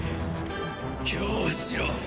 恐怖しろ！